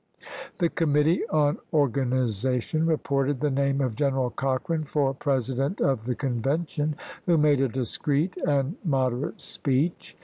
The committee on organization re ported the name of G eneral Cochrane for President of the Convention, who made a discreet and mod erate speech.